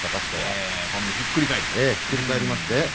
ええひっくり返りまして。